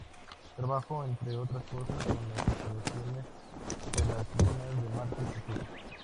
Trabajó, entre otras cosas, en las observaciones de las lunas de Marte y Saturno.